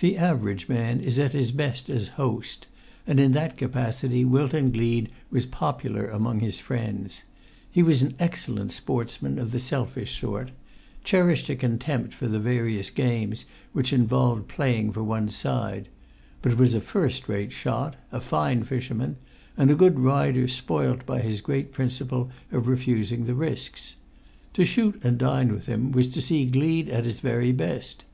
The average man is at his best as host, and in that capacity Wilton Gleed was popular among his friends. He was an excellent sportsman of the selfish sort; cherished a contempt for the various games which involve playing for one's side; but was a first rate shot, a fine fisherman, and a good rider spoilt by his great principle of refusing the risks. To shoot and dine with him was to see Gleed at his very best.